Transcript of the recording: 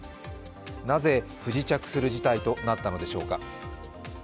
なぜ不時着する事態となったのでしょうか。